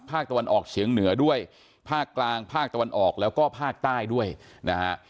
ภาคตะวันออกเฉียงเหนือด้วยภาคกลางภาคตะวันออกแล้วก็ภาคใต้ด้วยนะฮะ